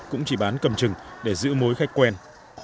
cũng chỉ bán cầm chừng để giữ mối khách quen